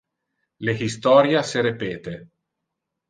Le historia se repete.